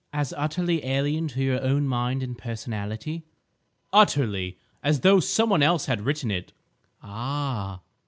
"As utterly alien to your own mind and personality?" "Utterly! As though some one else had written it—" "Ah!"